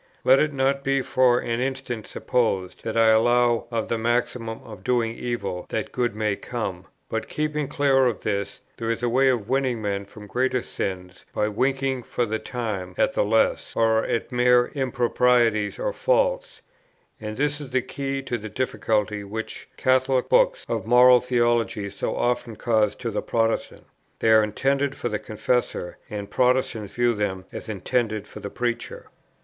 Let it not be for an instant supposed, that I allow of the maxim of doing evil that good may come; but, keeping clear of this, there is a way of winning men from greater sins by winking for the time at the less, or at mere improprieties or faults; and this is the key to the difficulty which Catholic books of moral theology so often cause to the Protestant. They are intended for the Confessor, and Protestants view them as intended for the Preacher.